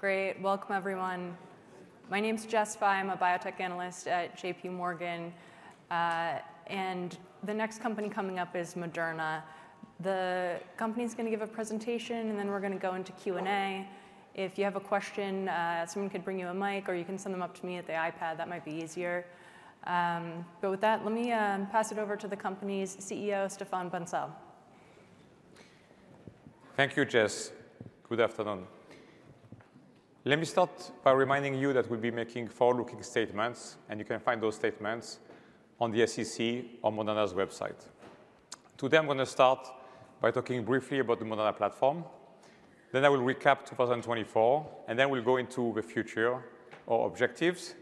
Great. Welcome, everyone. My name's Jess Fye. I'm a biotech analyst at JPMorgan. And the next company coming up is Moderna. The company's going to give a presentation, and then we're going to go into Q&A. If you have a question, someone could bring you a mic, or you can send them up to me at the iPad. That might be easier. But with that, let me pass it over to the company's CEO, Stéphane Bancel. Thank you, Jess. Good afternoon. Let me start by reminding you that we'll be making forward-looking statements, and you can find those statements on the SEC or Moderna's website. Today, I'm going to start by talking briefly about the Moderna platform. Then I will recap 2024, and then we'll go into the future, our objectives,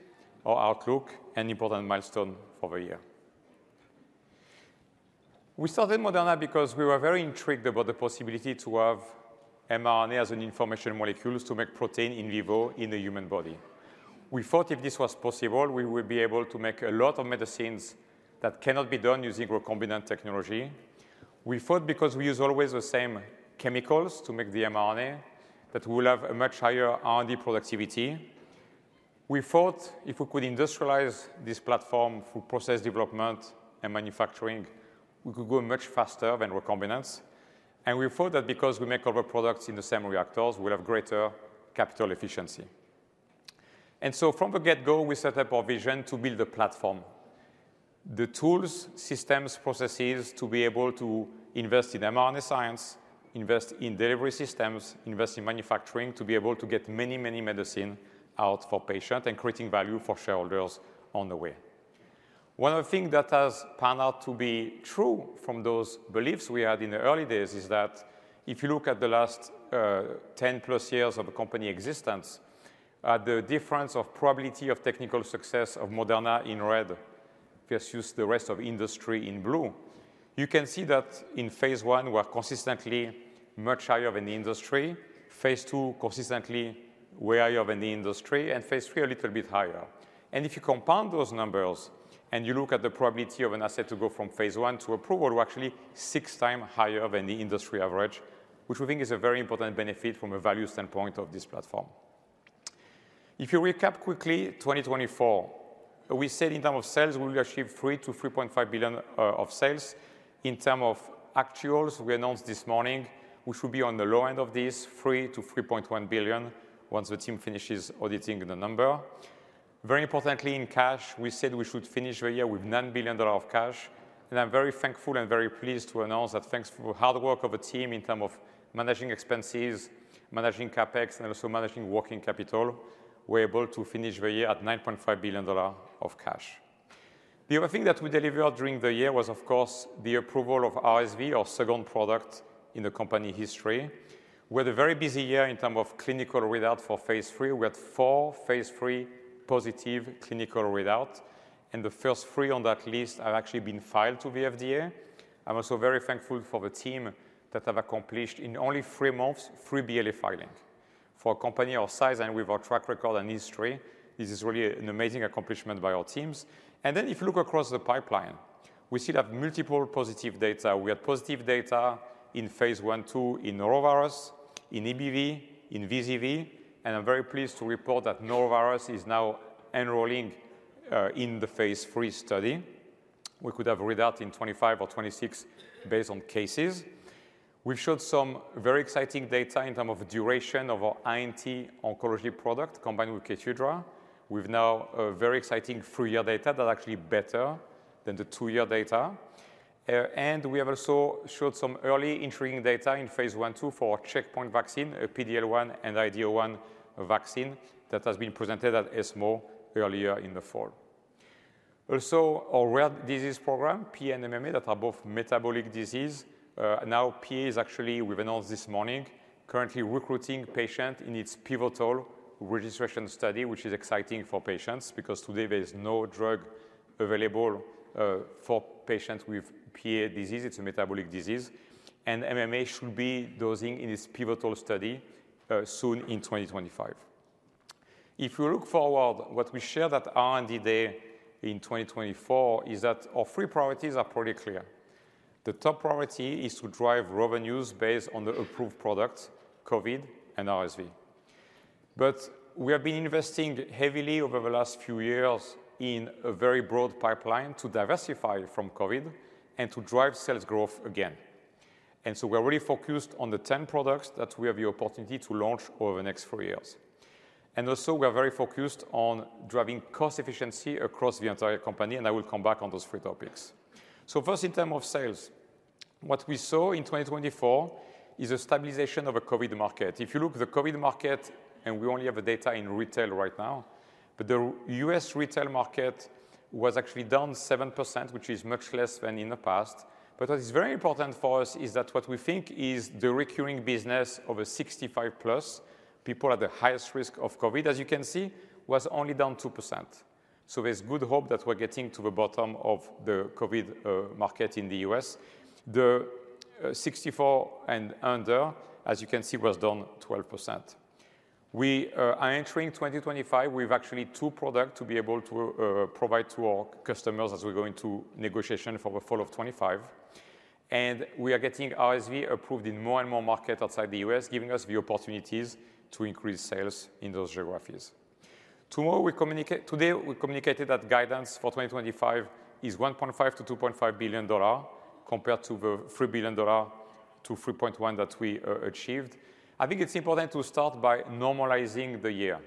our outlook, and important milestones for the year. We started Moderna because we were very intrigued about the possibility to have mRNA as an information molecule to make protein in vivo in the human body. We thought if this was possible, we would be able to make a lot of medicines that cannot be done using recombinant technology. We thought because we use always the same chemicals to make the mRNA that we will have a much higher R&D productivity. We thought if we could industrialize this platform through process development and manufacturing, we could go much faster than recombinants, and we thought that because we make all the products in the same reactors, we'll have greater capital efficiency, and so from the get-go, we set up our vision to build a platform, the tools, systems, processes to be able to invest in mRNA science, invest in delivery systems, invest in manufacturing to be able to get many, many medicines out for patients and creating value for shareholders on the way. One of the things that has panned out to be true from those beliefs we had in the early days is that if you look at the last 10-plus years of a company's existence, the difference in probability of technical success of Moderna in red versus the rest of the industry in blue, you can see that in phase I, we are consistently much higher than the industry. Phase II, consistently way higher than the industry. And phase III, a little bit higher. And if you compound those numbers and you look at the probability of an asset to go from phase I to approval, we're actually six times higher than the industry average, which we think is a very important benefit from a value standpoint of this platform. If you recap quickly 2024, we said in terms of sales, we will achieve $3 billion-$3.5 billion in sales. In terms of actuals, we announced this morning, we should be on the low end of these, $3 billion-$3.1 billion once the team finishes auditing the number. Very importantly, in cash, we said we should finish the year with $9 billion of cash, and I'm very thankful and very pleased to announce that thanks to the hard work of a team in terms of managing expenses, managing CapEx, and also managing working capital, we're able to finish the year at $9.5 billion of cash. The other thing that we delivered during the year was, of course, the approval of RSV, our second product in the company history. We had a very busy year in terms of clinical readouts for phase III. We had four phase III positive clinical readouts, and the first three on that list have actually been filed to the FDA. I'm also very thankful for the team that have accomplished in only three months three BLA filings. For a company our size and with our track record and history, this is really an amazing accomplishment by our teams. Then if you look across the pipeline, we still have multiple positive data. We had positive data in phase I, II, in Norovirus, in EBV, in VZV. I'm very pleased to report that Norovirus is now enrolling in the phase III study. We could have readouts in 2025 or 2026 based on cases. We've showed some very exciting data in terms of duration of our INT oncology product combined with Keytruda. We've now very exciting three-year data that are actually better than the two-year data. And we have also showed some early intriguing data in phase I, II for our checkpoint vaccine, a PD-L1 and IDO1 vaccine that has been presented at ESMO earlier in the fall. Also, our rare disease program, PA and MMA, that are both metabolic disease. Now PA is actually, we've announced this morning, currently recruiting patients in its pivotal registration study, which is exciting for patients because today there is no drug available for patients with PA disease. It's a metabolic disease. And MMA should be dosing in its pivotal study soon in 2025. If we look forward, what we shared at R&D Day in 2024 is that our three priorities are pretty clear. The top priority is to drive revenues based on the approved products, COVID and RSV. But we have been investing heavily over the last few years in a very broad pipeline to diversify from COVID and to drive sales growth again. And so we're really focused on the 10 products that we have the opportunity to launch over the next four years. And also, we're very focused on driving cost efficiency across the entire company. And I will come back on those three topics. So first, in terms of sales, what we saw in 2024 is a stabilization of the COVID market. If you look at the COVID market, and we only have data in retail right now, but the U.S. retail market was actually down 7%, which is much less than in the past. But what is very important for us is that what we think is the recurring business of 65-plus people at the highest risk of COVID, as you can see, was only down 2%. So there's good hope that we're getting to the bottom of the COVID market in the U.S. The 64 and under, as you can see, was down 12%. We are entering 2025. We have actually two products to be able to provide to our customers as we go into negotiation for the fall of 2025. And we are getting RSV approved in more and more markets outside the US, giving us the opportunities to increase sales in those geographies. Tomorrow, we communicate. Today, we communicated that guidance for 2025 is $1.5 billion-$2.5 billion compared to the $3 billion-$3.1 billion that we achieved. I think it's important to start by normalizing the year.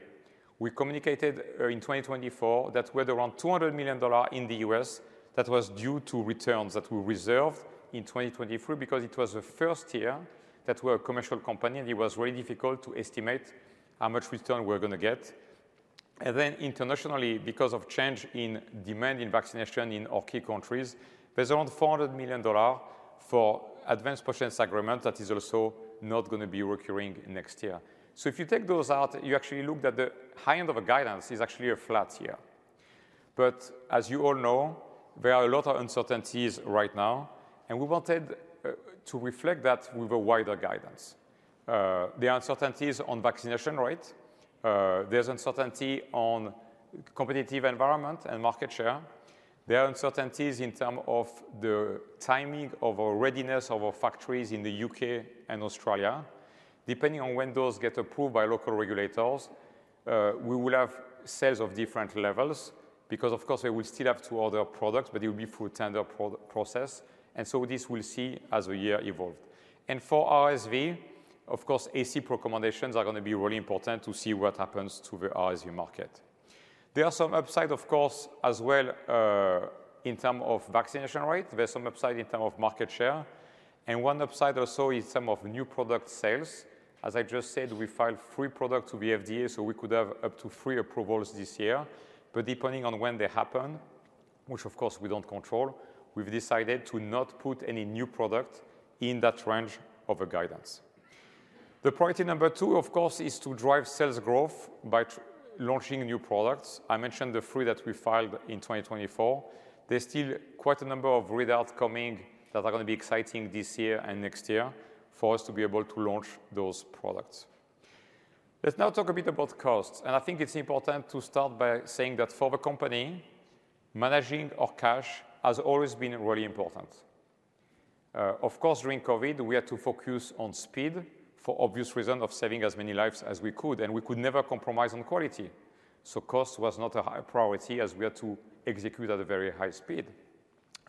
We communicated in 2024 that we had around $200 million in the U.S. that was due to returns that we reserved in 2023 because it was the first year that we were a commercial company, and it was very difficult to estimate how much return we're going to get, and then internationally, because of changes in demand for vaccination in our key countries, there's around $400 million from advance purchase agreements that is also not going to be recurring next year, so if you take those out, you actually see that the high end of our guidance is actually a flat year, but as you all know, there are a lot of uncertainties right now, and we wanted to reflect that with a wider guidance. There are uncertainties on vaccination rate. There's uncertainty on competitive environment and market share. There are uncertainties in terms of the timing of our readiness of our factories in the U.K. and Australia. Depending on when those get approved by local regulators, we will have sales of different levels because, of course, we will still have to order products, but it will be through a tender process, and so this we'll see as the year evolves. For RSV, of course, ACIP recommendations are going to be really important to see what happens to the RSV market. There are some upsides, of course, as well in terms of vaccination rate. There's some upside in terms of market share, and one upside also is in terms of new product sales. As I just said, we filed three products to the FDA, so we could have up to three approvals this year. But depending on when they happen, which, of course, we don't control, we've decided to not put any new product in that range of the guidance. The priority number two, of course, is to drive sales growth by launching new products. I mentioned the three that we filed in 2024. There's still quite a number of readouts coming that are going to be exciting this year and next year for us to be able to launch those products. Let's now talk a bit about costs. And I think it's important to start by saying that for the company, managing our cash has always been really important. Of course, during COVID, we had to focus on speed for obvious reasons of saving as many lives as we could. And we could never compromise on quality. Cost was not a high priority as we had to execute at a very high speed.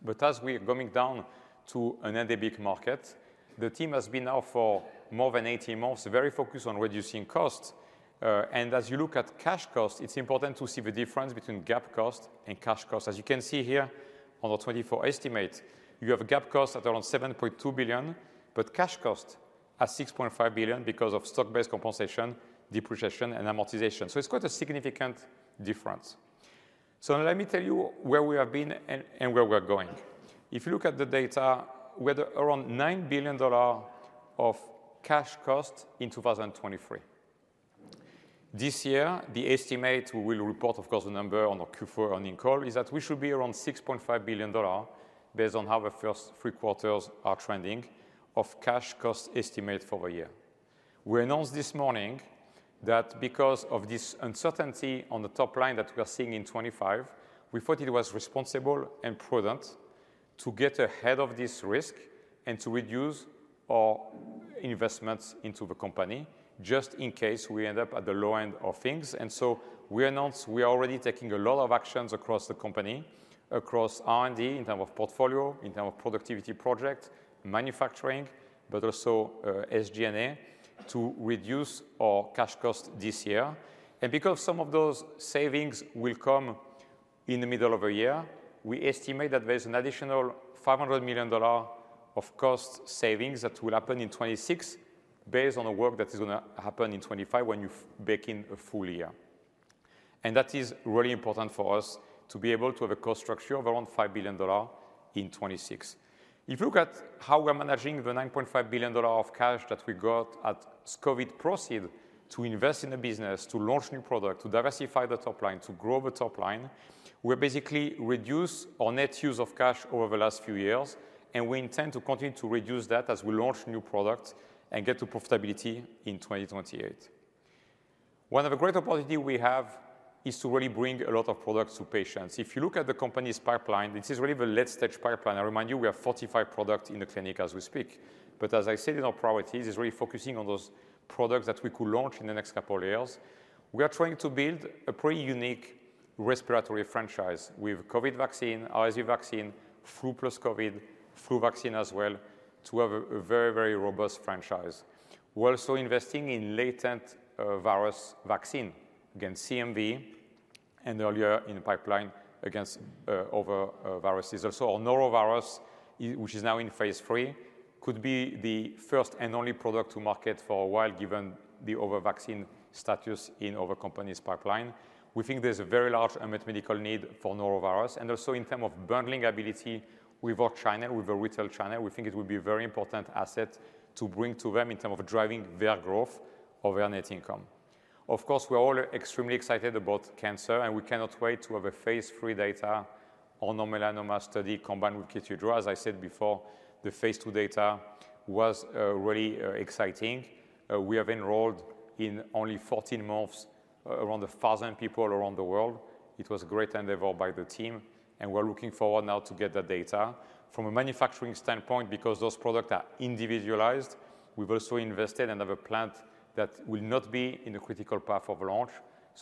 But as we are coming down to an endemic market, the team has been now for more than 18 months very focused on reducing costs. And as you look at cash costs, it's important to see the difference between GAAP cost and cash cost. As you can see here on the 2024 estimate, you have GAAP costs at around $7.2 billion, but cash costs are $6.5 billion because of stock-based compensation, depreciation, and amortization. So it's quite a significant difference. So let me tell you where we have been and where we're going. If you look at the data, we had around $9 billion of cash cost in 2023. This year, the estimate we will report, of course, the number on our Q4 earnings call is that we should be around $6.5 billion based on how the first three quarters are trending of cash cost estimate for the year. We announced this morning that because of this uncertainty on the top line that we are seeing in 2025, we thought it was responsible and prudent to get ahead of this risk and to reduce our investments into the company just in case we end up at the low end of things, and so we announced we are already taking a lot of actions across the company, across R&D in terms of portfolio, in terms of productivity project, manufacturing, but also SG&A to reduce our cash cost this year. Because some of those savings will come in the middle of the year, we estimate that there's an additional $500 million of cost savings that will happen in 2026 based on the work that is going to happen in 2025 when you bake in a full year. That is really important for us to be able to have a cost structure of around $5 billion in 2026. If you look at how we're managing the $9.5 billion of cash that we got from COVID proceeds to invest in a business, to launch new products, to diversify the top line, to grow the top line, we basically reduce our net use of cash over the last few years. We intend to continue to reduce that as we launch new products and get to profitability in 2028. One of the great opportunities we have is to really bring a lot of products to patients. If you look at the company's pipeline, this is really the late-stage pipeline. I remind you, we have 45 products in the clinic as we speak. But as I said, in our priorities, it's really focusing on those products that we could launch in the next couple of years. We are trying to build a pretty unique respiratory franchise with COVID vaccine, RSV vaccine, flu plus COVID, flu vaccine as well to have a very, very robust franchise. We're also investing in latent virus vaccine against CMV and earlier in the pipeline against other viruses. Also, our Norovirus, which is now in phase III, could be the first and only product to market for a while given the other vaccine status in other companies' pipeline. We think there's a very large unmet medical need for Norovirus. And also, in terms of bundling ability with our channel with our retail channel, we think it would be a very important asset to bring to them in terms of driving their growth of their net income. Of course, we're all extremely excited about cancer, and we cannot wait to have phase III data on our melanoma study combined with Keytruda. As I said before, the phase II data was really exciting. We have enrolled in only 14 months around 1,000 people around the world. It was a great endeavor by the team, and we're looking forward now to get that data from a manufacturing standpoint because those products are individualized. We've also invested in another plant that will not be in the critical path of launch.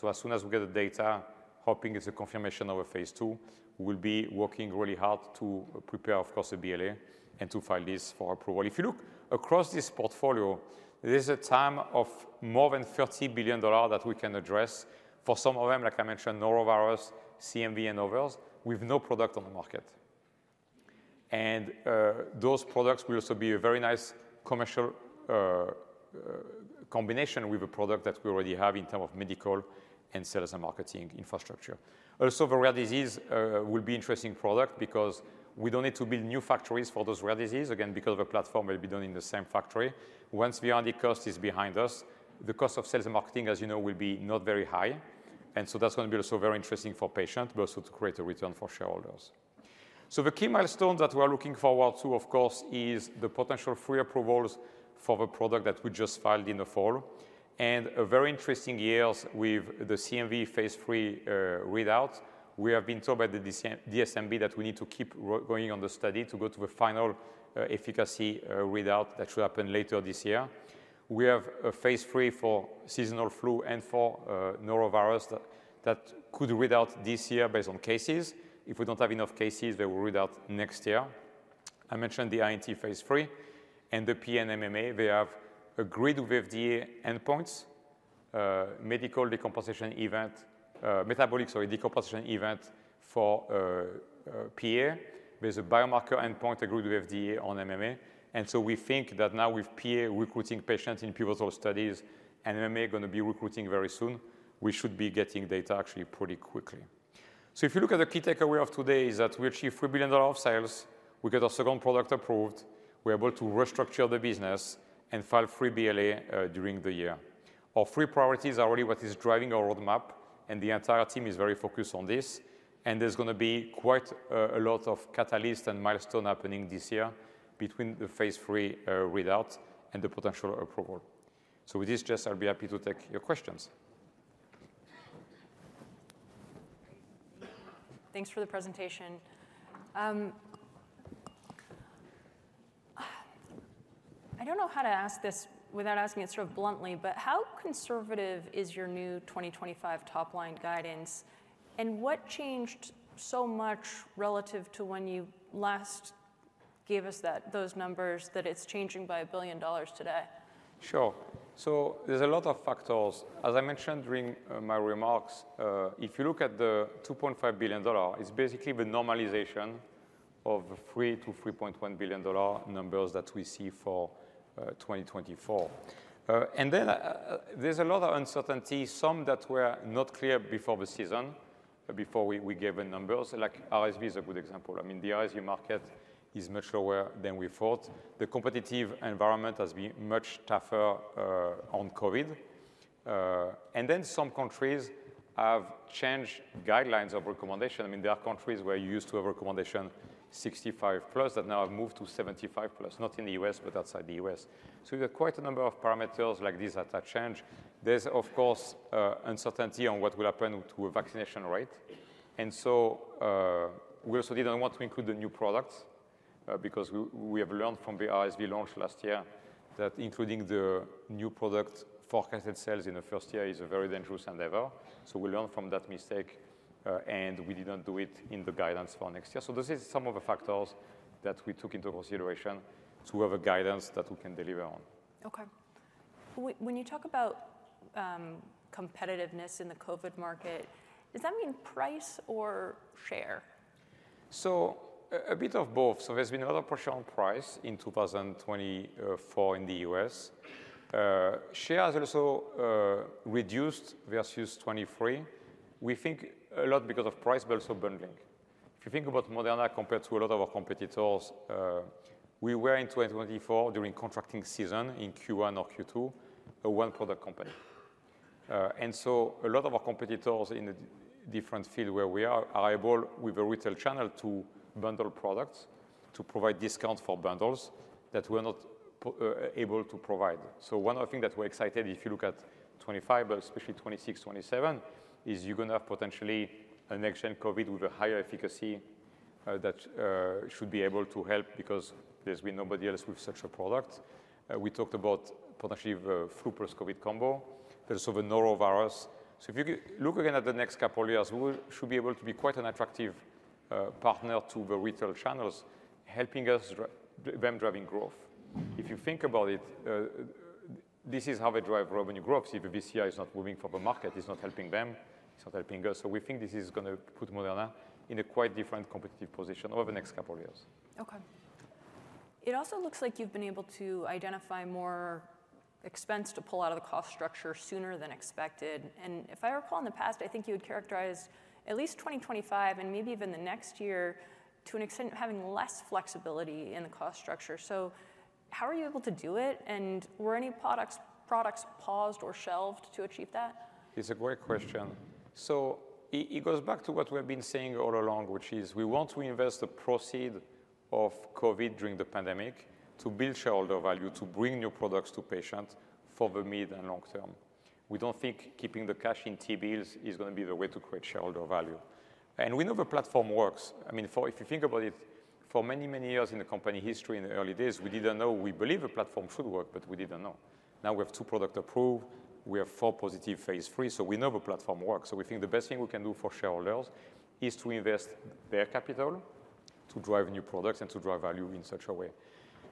As soon as we get the data, hoping it's a confirmation of a phase I, we will be working really hard to prepare, of course, a BLA and to file this for approval. If you look across this portfolio, there's a TAM of more than $30 billion that we can address for some of them, like I mentioned, Norovirus, CMV, and others with no product on the market. Those products will also be a very nice commercial combination with the product that we already have in terms of medical and sales and marketing infrastructure. Also, the rare disease will be an interesting product because we don't need to build new factories for those rare diseases. Again, because of the platform, it will be done in the same factory. Once the R&D cost is behind us, the cost of sales and marketing, as you know, will be not very high. And so that's going to be also very interesting for patients, but also to create a return for shareholders. So the key milestones that we're looking forward to, of course, is the potential three approvals for the product that we just filed in the fall. And very interesting years with the CMV phase III readouts. We have been told by the DSMB that we need to keep going on the study to go to the final efficacy readout that should happen later this year. We have a phase III for seasonal flu and for Norovirus that could readout this year based on cases. If we don't have enough cases, they will readout next year. I mentioned the INT phase III and the PA and MMA. They have agreed with FDA endpoints, metabolic decompensation event, sorry, metabolic decompensation event for PA. There's a biomarker endpoint agreed with FDA on MMA. So we think that now with PA recruiting patients in pivotal studies and MMA going to be recruiting very soon, we should be getting data actually pretty quickly. If you look at the key takeaway of today, it is that we achieved $3 billion of sales. We got our second product approved. We're able to restructure the business and file three BLAs during the year. Our three priorities are really what is driving our roadmap. The entire team is very focused on this. There's going to be quite a lot of catalysts and milestones happening this year between the phase III readout and the potential approval. With this, Jess, I'll be happy to take your questions. Thanks for the presentation. I don't know how to ask this without asking it sort of bluntly, but how conservative is your new 2025 top line guidance? And what changed so much relative to when you last gave us those numbers that it's changing by a billion dollars today? Sure. So there's a lot of factors. As I mentioned during my remarks, if you look at the $2.5 billion, it's basically the normalization of the $3-$3.1 billion numbers that we see for 2024. And then there's a lot of uncertainty, some that were not clear before the season, before we gave the numbers. Like RSV is a good example. I mean, the RSV market is much lower than we thought. The competitive environment has been much tougher on COVID. And then some countries have changed guidelines of recommendation. I mean, there are countries where you used to have recommendation 65 plus that now have moved to 75 plus, not in the U.S., but outside the U.S. So there are quite a number of parameters like these that have changed. There's, of course, uncertainty on what will happen to a vaccination rate. And so we also didn't want to include the new products because we have learned from the RSV launch last year that including the new product forecasted sales in the first year is a very dangerous endeavor. So we learned from that mistake, and we did not do it in the guidance for next year. So this is some of the factors that we took into consideration to have a guidance that we can deliver on. Okay. When you talk about competitiveness in the COVID market, does that mean price or share? So a bit of both. There's been a lot of pressure on price in 2024 in the U.S. Share has also reduced versus 2023. We think a lot because of price, but also bundling. If you think about Moderna compared to a lot of our competitors, we were in 2024 during contracting season in Q1 or Q2 a one-product company. And so a lot of our competitors in different fields where we are are able with a retail channel to bundle products to provide discounts for bundles that we're not able to provide. So one of the things that we're excited, if you look at 2025, but especially 2026, 2027, is you're going to have potentially a next-gen COVID with a higher efficacy that should be able to help because there's been nobody else with such a product. We talked about potentially the flu plus COVID combo, but also the Norovirus. So if you look again at the next couple of years, we should be able to be quite an attractive partner to the retail channels, helping them drive growth. If you think about it, this is how they drive revenue growth. If the VCI is not moving from the market, it's not helping them. It's not helping us. So we think this is going to put Moderna in a quite different competitive position over the next couple of years. Okay. It also looks like you've been able to identify more expense to pull out of the cost structure sooner than expected. And if I recall in the past, I think you had characterized at least 2025 and maybe even the next year to an extent having less flexibility in the cost structure. So how are you able to do it? And were any products paused or shelved to achieve that? It's a great question. So it goes back to what we have been saying all along, which is we want to invest the proceeds of COVID during the pandemic to build shareholder value, to bring new products to patients for the mid and long term. We don't think keeping the cash in T-bills is going to be the way to create shareholder value. And we know the platform works. I mean, if you think about it, for many, many years in the company history in the early days, we didn't know. We believe the platform should work, but we didn't know. Now we have two products approved. We have four positive phase III. So we know the platform works. So, we think the best thing we can do for shareholders is to invest their capital to drive new products and to drive value in such a way.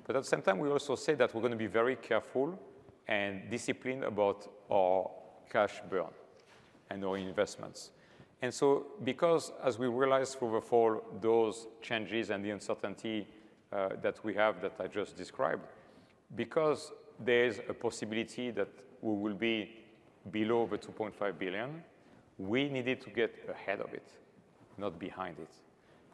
But at the same time, we also say that we're going to be very careful and disciplined about our cash burn and our investments. And so, because as we realized through the fall, those changes and the uncertainty that we have that I just described, because there's a possibility that we will be below the $2.5 billion, we needed to get ahead of it, not behind it.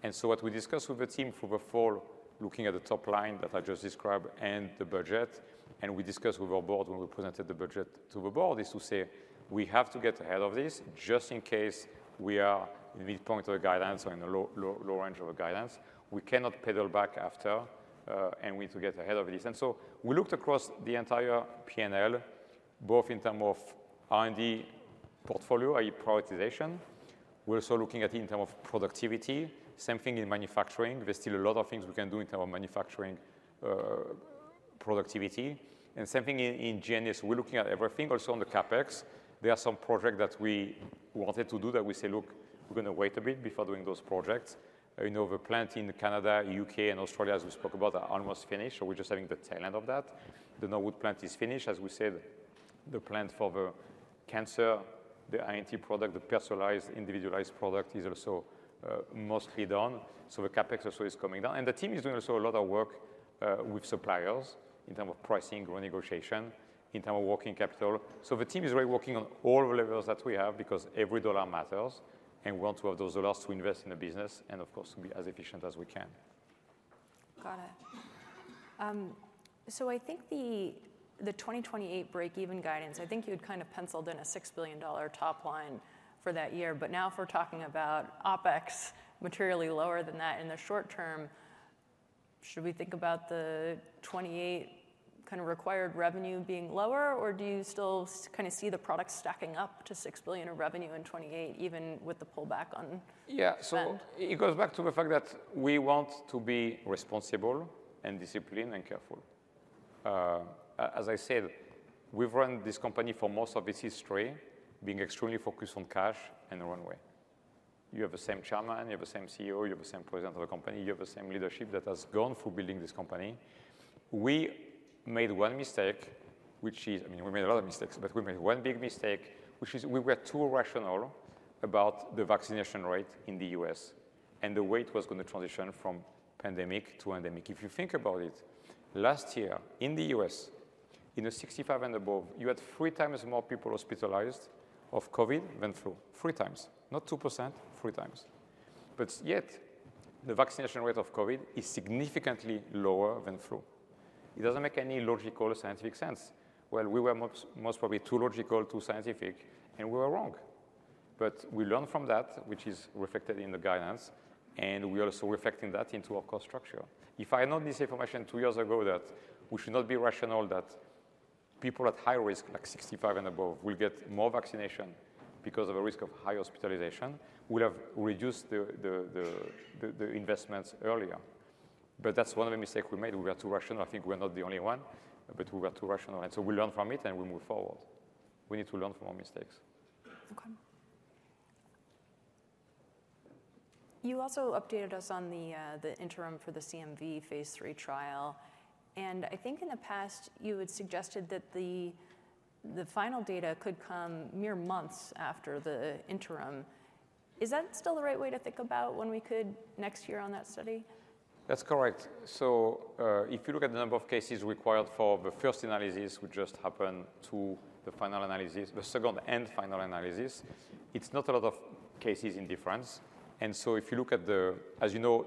And so what we discussed with the team through the fall, looking at the top line that I just described and the budget, and we discussed with our board when we presented the budget to the board is to say we have to get ahead of this just in case we are in midpoint of the guidance or in the low range of the guidance. We cannot pedal back after and we need to get ahead of this. And so we looked across the entire P&L, both in terms of R&D portfolio, i.e., prioritization. We're also looking at it in terms of productivity. Same thing in manufacturing. There's still a lot of things we can do in terms of manufacturing productivity. And same thing in G&A. We're looking at everything. Also on the CapEx, there are some projects that we wanted to do that we say, look, we're going to wait a bit before doing those projects. The plant in Canada, U.K., and Australia, as we spoke about, are almost finished. So we're just having the tail end of that. The Norwood plant is finished, as we said. The plant for the cancer, the INT product, the personalized, individualized product is also mostly done. So the CapEx also is coming down. And the team is doing also a lot of work with suppliers in terms of pricing, renegotiation, in terms of working capital. So the team is really working on all the levels that we have because every dollar matters. And we want to have those dollars to invest in the business and, of course, to be as efficient as we can. Got it. So I think the 2028 break-even guidance, I think you had kind of penciled in a $6 billion top line for that year. But now if we're talking about OpEx materially lower than that in the short term, should we think about the 2028 kind of required revenue being lower, or do you still kind of see the products stacking up to $6 billion of revenue in 2028, even with the pullback on the fall? Yeah. So it goes back to the fact that we want to be responsible and disciplined and careful. As I said, we've run this company for most of its history, being extremely focused on cash and runway. You have the same chairman, you have the same CEO, you have the same president of the company, you have the same leadership that has gone through building this company. We made one mistake, which is, I mean, we made a lot of mistakes, but we made one big mistake, which is we were too rational about the vaccination rate in the U.S. and the way it was going to transition from pandemic to endemic. If you think about it, last year in the U.S., in the 65 and above, you had three times more people hospitalized of COVID than flu. Three times. Not 2%, three times. But yet the vaccination rate of COVID is significantly lower than flu. It doesn't make any logical or scientific sense. Well, we were most probably too logical, too scientific, and we were wrong. But we learned from that, which is reflected in the guidance, and we are also reflecting that into our cost structure. If I had known this information two years ago that we should not be rational, that people at high risk, like 65 and above, will get more vaccination because of a risk of high hospitalization, we would have reduced the investments earlier. But that's one of the mistakes we made. We were too rational. I think we're not the only one, but we were too rational. And so we learned from it and we moved forward. We need to learn from our mistakes. Okay. You also updated us on the interim for the CMV phase III trial. And I think in the past you had suggested that the final data could come mere months after the interim. Is that still the right way to think about when we could next year on that study? That's correct. So if you look at the number of cases required for the first analysis, which just happened to the final analysis, the second and final analysis, it's not a lot of cases in difference. And so if you look at the, as you know,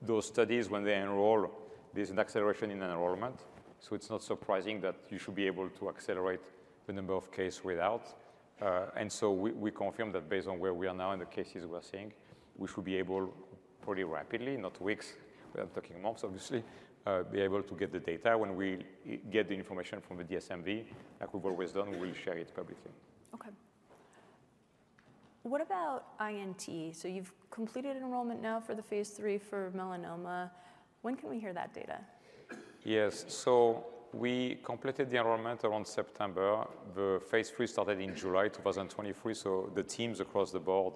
those studies, when they enroll, there's an acceleration in enrollment. So it's not surprising that you should be able to accelerate the number of cases without. And so we confirm that based on where we are now and the cases we are seeing, we should be able pretty rapidly, not weeks. We are talking months, obviously, be able to get the data. When we get the information from the DSMB, like we've always done, we will share it publicly. Okay. What about INT? So you've completed enrollment now for the phase III for melanoma. When can we hear that data? Yes. We completed the enrollment around September. The phase III started in July 2023. The teams across the board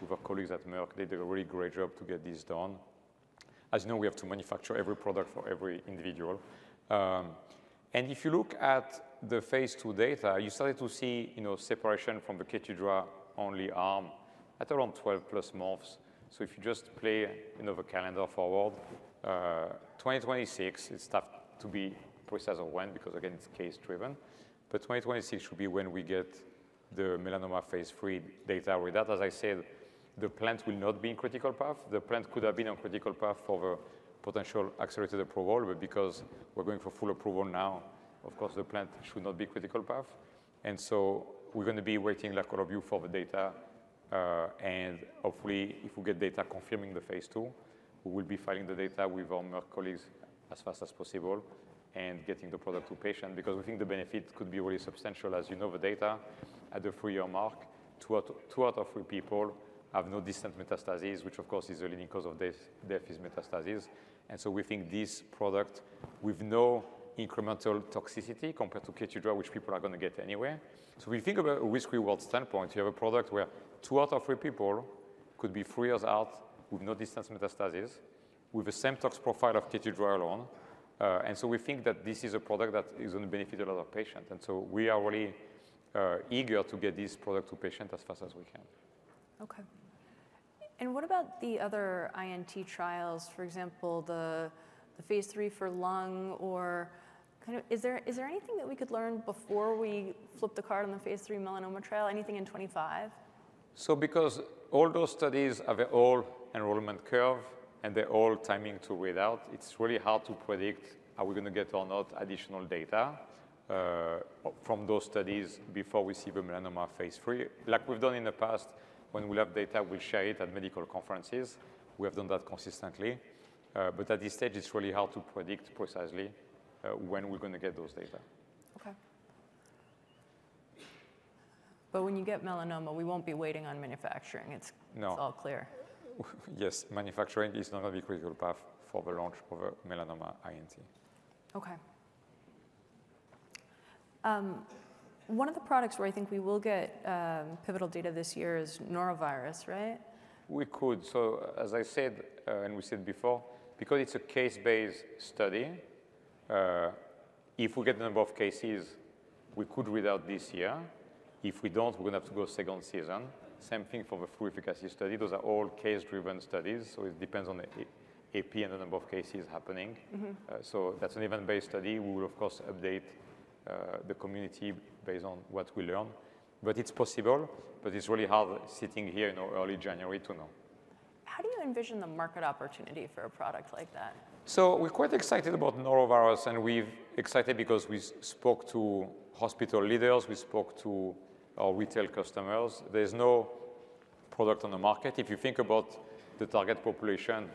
with our colleagues at Merck, they did a really great job to get this done. As you know, we have to manufacture every product for every individual. And if you look at the phase II data, you started to see separation from the Keytruda only arm at around 12 plus months. If you just play the calendar forward, 2026, it's tough to be precise on when because, again, it's case-driven. But 2026 should be when we get the melanoma phase III data with that. As I said, the plant will not be in critical path. The plant could have been on critical path for the potential accelerated approval, but because we're going for full approval now, of course, the plant should not be critical path. And so we're going to be waiting like all of you for the data. And hopefully, if we get data confirming the phase II, we will be filing the data with our Merck colleagues as fast as possible and getting the product to patients because we think the benefit could be really substantial. As you know, the data at the three-year mark two out of three people have no distant metastases, which, of course, is the leading cause of death, is metastases. And so we think this product with no incremental toxicity compared to Keytruda, which people are going to get anyway. So if you think about a risk-reward standpoint, you have a product where two out of three people could be three years out with no distant metastases with the same tox profile of Keytruda alone. And so we think that this is a product that is going to benefit a lot of patients. And so we are really eager to get this product to patients as fast as we can. Okay. And what about the other INT trials? For example, the phase three for lung or kind of is there anything that we could learn before we flip the card on the phase three melanoma trial, anything in 2025? So because all those studies have an enrollment curve and they're all timing to readout, it's really hard to predict are we going to get or not additional data from those studies before we see the melanoma phase III. Like we've done in the past, when we have data, we'll share it at medical conferences. We have done that consistently. But at this stage, it's really hard to predict precisely when we're going to get those data. Okay. But when you get melanoma, we won't be waiting on manufacturing. It's all clear. Yes. Manufacturing is not going to be critical path for the launch of a melanoma INT. Okay. One of the products where I think we will get pivotal data this year is Norovirus, right? We could. So as I said, and we said before, because it's a case-based study, if we get the number of cases, we could read out this year. If we don't, we're going to have to go second season. Same thing for the flu efficacy study. Those are all case-driven studies. So it depends on the attack rate and the number of cases happening. So that's an event-based study. We will, of course, update the community based on what we learn. But it's possible. But it's really hard sitting here in early January to know. How do you envision the market opportunity for a product like that? So we're quite excited about Norovirus, and we're excited because we spoke to hospital leaders. We spoke to our retail customers. There's no product on the market. If you think about the target population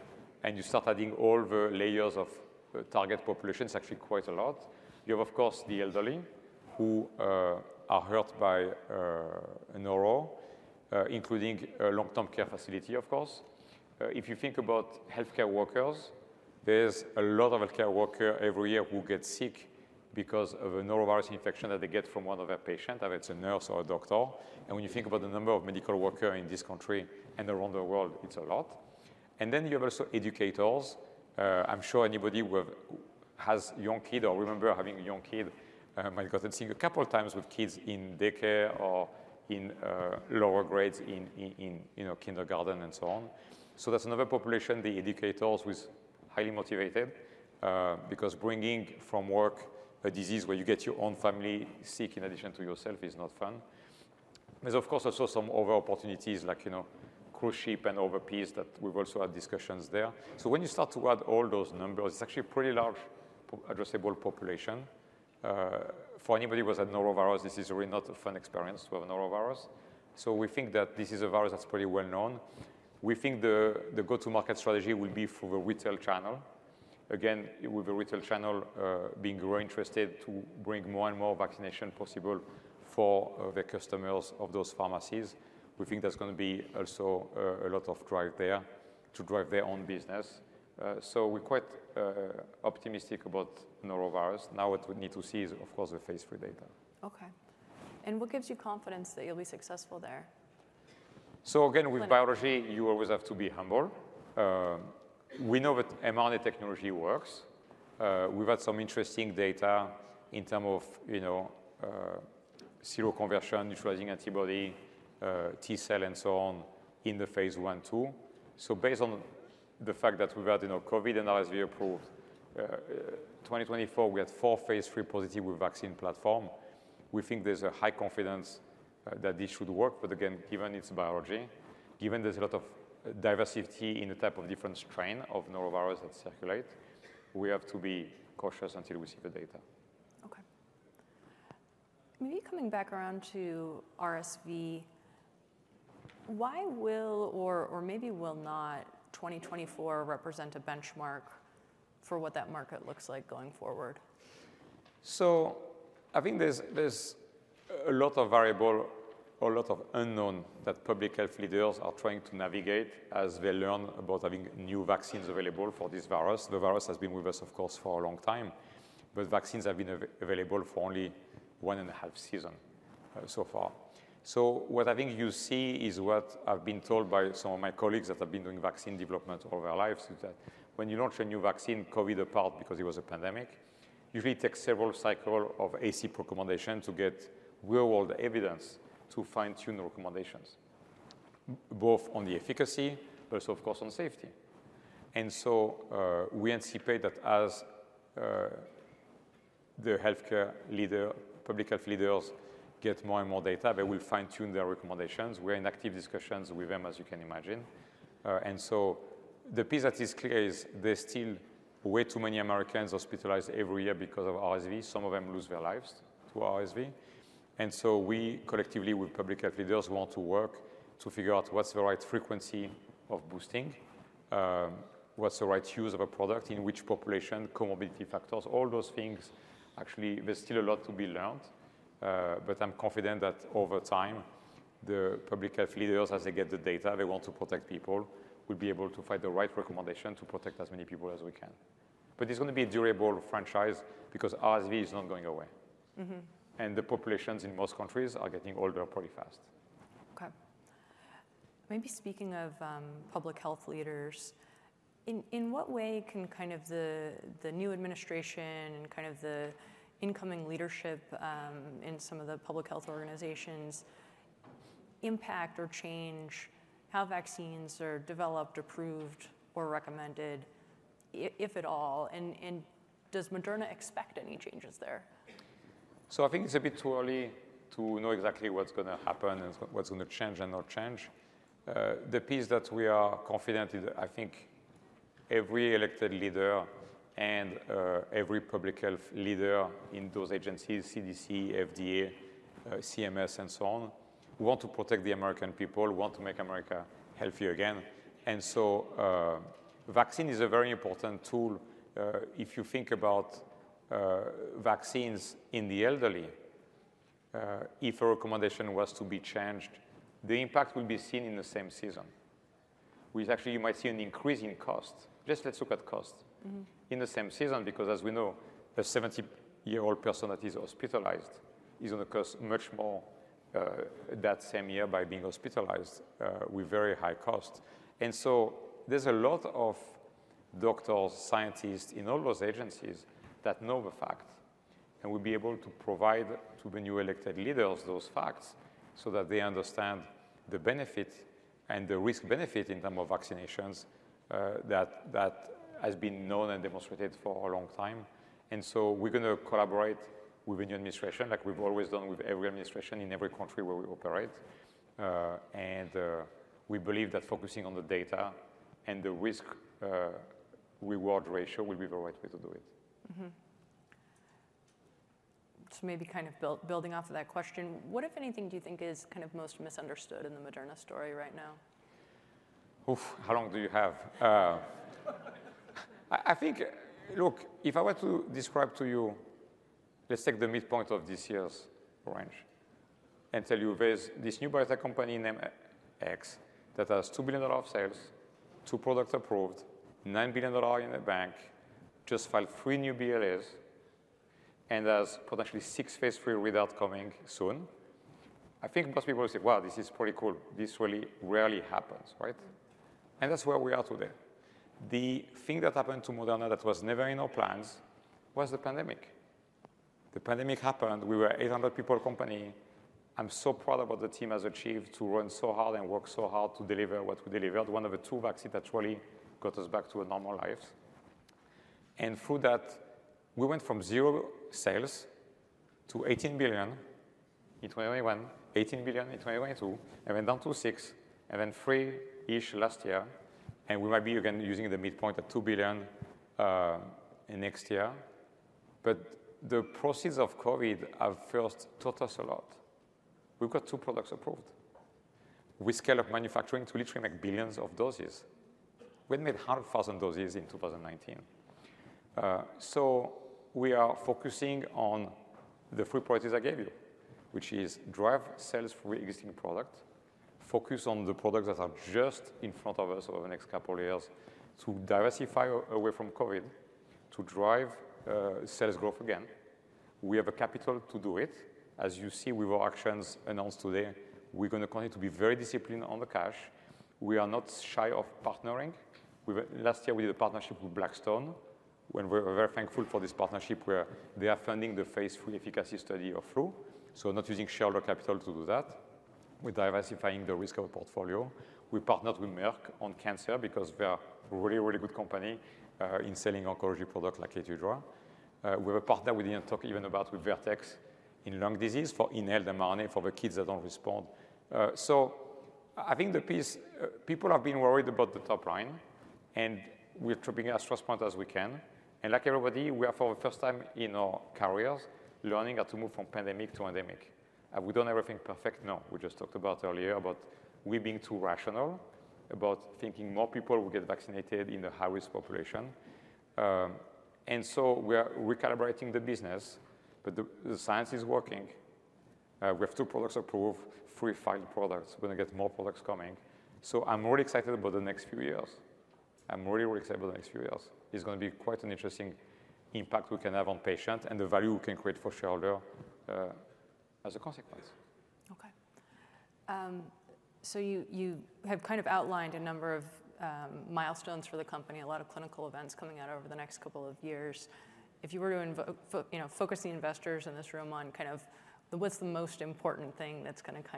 and you start adding all the layers of target population, it's actually quite a lot. You have, of course, the elderly who are hurt by Noro, including long-term care facility, of course. If you think about healthcare workers, there's a lot of healthcare workers every year who get sick because of a Norovirus infection that they get from one of their patients, whether it's a nurse or a doctor. And when you think about the number of medical workers in this country and around the world, it's a lot. And then you have also educators. I'm sure anybody who has young kids or remembers having a young kid might have gotten sick a couple of times with kids in daycare or in lower grades in kindergarten and so on. So that's another population, the educators, who is highly motivated because bringing from work a disease where you get your own family sick in addition to yourself is not fun. There's, of course, also some other opportunities like cruise ship and overseas that we've also had discussions there. So when you start to add all those numbers, it's actually a pretty large addressable population. For anybody who has had Norovirus, this is really not a fun experience to have Norovirus. So we think that this is a virus that's pretty well known. We think the go-to-market strategy will be through the retail channel. Again, with the retail channel being very interested to bring more and more vaccination possible for the customers of those pharmacies, we think that's going to be also a lot of drive there to drive their own business. So we're quite optimistic about Norovirus. Now what we need to see is, of course, the phase three data. Okay. And what gives you confidence that you'll be successful there? So again, with biology, you always have to be humble. We know that mRNA technology works. We've had some interesting data in terms of seroconversion, neutralizing antibody, T cell, and so on in the phase I too. So based on the fact that we've had COVID and RSV approved, 2024, we had four phase III positive with vaccine platform. We think there's a high confidence that this should work. But again, given it's biology, given there's a lot of diversity in the type of different strain of Norovirus that circulate, we have to be cautious until we see the data. Okay. Maybe coming back around to RSV, why will or maybe will not 2024 represent a benchmark for what that market looks like going forward? So I think there's a lot of variable, a lot of unknown that public health leaders are trying to navigate as they learn about having new vaccines available for this virus. The virus has been with us, of course, for a long time, but vaccines have been available for only one and a half seasons so far. So what I think you see is what I've been told by some of my colleagues that have been doing vaccine development all their lives, is that when you launch a new vaccine, COVID apart because it was a pandemic, usually it takes several cycles of ACIP recommendation to get real-world evidence to fine-tune the recommendations, both on the efficacy, but also, of course, on safety. And so we anticipate that as the healthcare leader, public health leaders get more and more data, they will fine-tune their recommendations. We're in active discussions with them, as you can imagine. And so the piece that is clear is there's still way too many Americans hospitalized every year because of RSV. Some of them lose their lives to RSV. And so we collectively with public health leaders want to work to figure out what's the right frequency of boosting, what's the right use of a product, in which population, comorbidity factors, all those things. Actually, there's still a lot to be learned. But I'm confident that over time, the public health leaders, as they get the data, they want to protect people, will be able to find the right recommendation to protect as many people as we can. But it's going to be a durable franchise because RSV is not going away. And the populations in most countries are getting older pretty fast. Okay. Maybe speaking of public health leaders, in what way can kind of the new administration and kind of the incoming leadership in some of the public health organizations impact or change how vaccines are developed, approved, or recommended, if at all? And does Moderna expect any changes there? So I think it's a bit too early to know exactly what's going to happen and what's going to change and not change. The piece that we are confident in, I think every elected leader and every public health leader in those agencies, CDC, FDA, CMS, and so on, want to protect the American people, want to make America healthy again. And so vaccine is a very important tool. If you think about vaccines in the elderly, if a recommendation was to be changed, the impact will be seen in the same season, which actually you might see an increase in cost. Just let's look at cost in the same season because, as we know, a 70-year-old person that is hospitalized is going to cost much more that same year by being hospitalized with very high cost. And so there's a lot of doctors, scientists in all those agencies that know the facts and will be able to provide to the new elected leaders those facts so that they understand the benefit and the risk-benefit in terms of vaccinations that has been known and demonstrated for a long time. And so we're going to collaborate with the new administration, like we've always done with every administration in every country where we operate. And we believe that focusing on the data and the risk-reward ratio will be the right way to do it. So maybe kind of building off of that question, what, if anything, do you think is kind of most misunderstood in the Moderna story right now? Oof, how long do you have? I think, look, if I were to describe to you, let's take the midpoint of this year's range and tell you there's this new biotech company named X that has $2 billion of sales, two products approved, $9 billion in the bank, just filed three new BLAs, and has potentially six phase 3s with outcomes coming soon. I think most people will say, "Wow, this is pretty cool. This really rarely happens," right? And that's where we are today. The thing that happened to Moderna that was never in our plans was the pandemic. The pandemic happened. We were an 800-person company. I'm so proud of what the team has achieved to run so hard and work so hard to deliver what we delivered. One of the two vaccines that really got us back to normal lives. And through that, we went from zero sales to $18 billion in 2021, $18 billion in 2022, and went down to $6 billion, and then $3 billion-ish last year. And we might be again using the midpoint at $2 billion next year. But the proceeds of COVID have first taught us a lot. We've got two products approved. We scaled up manufacturing to literally make billions of doses. We had made 100,000 doses in 2019. So we are focusing on the three priorities I gave you, which is drive sales for existing product, focus on the products that are just in front of us over the next couple of years to diversify away from COVID, to drive sales growth again. We have the capital to do it. As you see with our actions announced today, we're going to continue to be very disciplined on the cash. We are not shy of partnering. Last year, we did a partnership with Blackstone when we were very thankful for this partnership where they are funding the phase 3 efficacy study of Flu. So not using shareholder capital to do that. We're diversifying the risk of the portfolio. We partnered with Merck on cancer because they're a really, really good company in selling oncology products like Keytruda. We have a partner we didn't talk even about with Vertex in lung disease for inhaled mRNA for the kids that don't respond. So I think the piece people have been worried about the top line, and we're triaging stress points as we can. Like everybody, we are for the first time in our careers learning how to move from pandemic to endemic. Have we done everything perfect? No. We just talked about earlier about we being too rational about thinking more people will get vaccinated in the high-risk population. And so we're recalibrating the business, but the science is working. We have two products approved, three final products. We're going to get more products coming. So I'm really excited about the next few years. I'm really, really excited about the next few years. It's going to be quite an interesting impact we can have on patients and the value we can create for shareholders as a consequence. Okay. So you have kind of outlined a number of milestones for the company, a lot of clinical events coming out over the next couple of years. If you were to focus the investors in this room on kind of what's the most important thing that's going to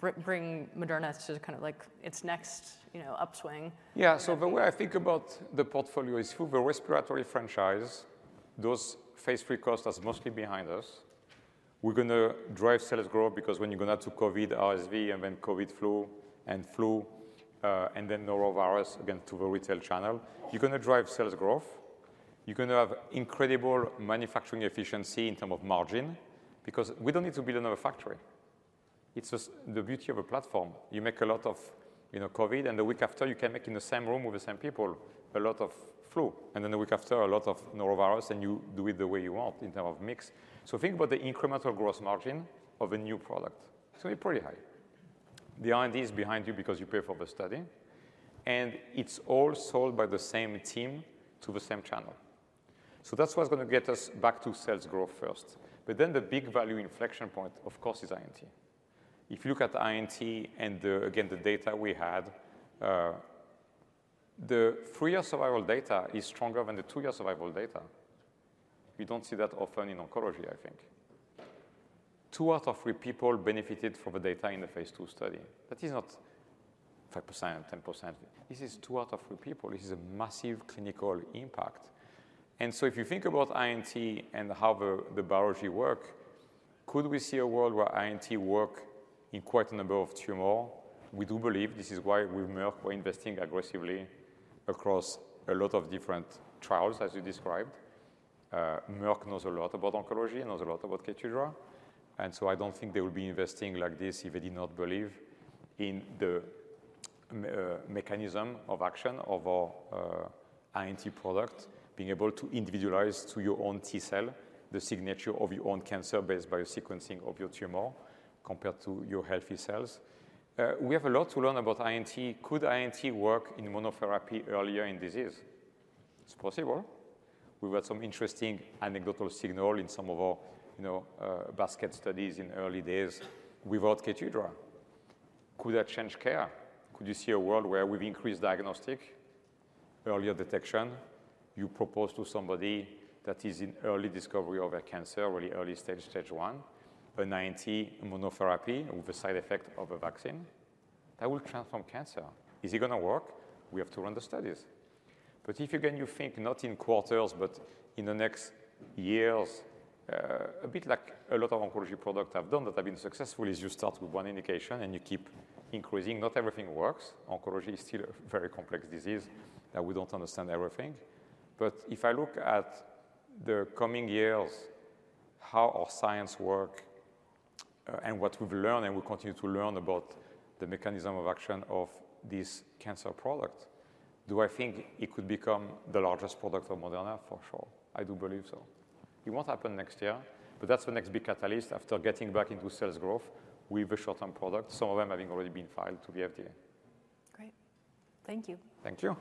kind of bring Moderna to kind of its next upswing? Yeah. So, the way I think about the portfolio is through the respiratory franchise. Those phase three costs are mostly behind us. We're going to drive sales growth because when you're going to have the COVID, RSV, and then COVID-flu, and flu, and then Norovirus again through the retail channel, you're going to drive sales growth. You're going to have incredible manufacturing efficiency in terms of margin because we don't need to build another factory. It's the beauty of a platform. You make a lot of COVID, and the week after, you can make in the same room with the same people a lot of Flu, and then the week after, a lot of Norovirus, and you do it the way you want in terms of mix. So think about the incremental gross margin of a new product. It's going to be pretty high. The R&D is behind you because you pay for the study, and it's all sold by the same team through the same channel, so that's what's going to get us back to sales growth first, but then the big value inflection point, of course, is INT. If you look at INT and again, the data we had, the three-year survival data is stronger than the two-year survival data. We don't see that often in oncology, I think. Two out of three people benefited from the data in the phase 2 study. That is not 5%, 10%. This is two out of three people. This is a massive clinical impact, and so if you think about INT and how the biology works, could we see a world where INT works in quite a number of tumors? We do believe this is why we're investing aggressively across a lot of different trials, as you described. Merck knows a lot about oncology and knows a lot about Keytruda. And so I don't think they will be investing like this if they did not believe in the mechanism of action of our INT product, being able to individualize to your own T cell, the signature of your own cancer-based biosequencing of your tumor compared to your healthy cells. We have a lot to learn about INT. Could INT work in monotherapy earlier in disease? It's possible. We've had some interesting anecdotal signals in some of our basket studies in early days without Keytruda. Could that change care? Could you see a world where we've increased diagnostic, earlier detection? You propose to somebody that is in early discovery of a cancer, really early stage, stage one, an INT monotherapy with a side effect of a vaccine that will transform cancer. Is it going to work? We have to run the studies. If again, you think not in quarters, but in the next years, a bit like a lot of oncology products have done that have been successful, is you start with one indication and you keep increasing. Not everything works. Oncology is still a very complex disease that we don't understand everything. If I look at the coming years, how our science works and what we've learned and we continue to learn about the mechanism of action of this cancer product, do I think it could become the largest product of Moderna? For sure. I do believe so. It won't happen next year, but that's the next big catalyst after getting back into sales growth with the short-term product, some of them having already been filed to the FDA. Great. Thank you. Thank you.